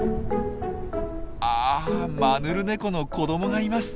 あマヌルネコの子どもがいます。